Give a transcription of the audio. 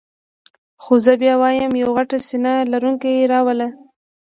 خو زه بیا وایم یو غټ سینه لرونکی را وله.